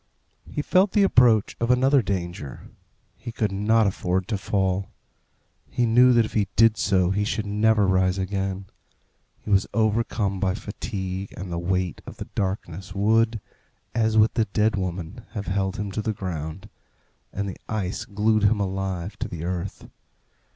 He felt the approach of another danger. He could not afford to fall. He knew that if he did so he should never rise again. He was overcome by fatigue, and the weight of the darkness would, as with the dead woman, have held him to the ground, and the ice glued him alive to the earth.